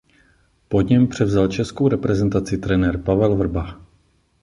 Po něm převzal českou reprezentaci trenér Pavel Vrba.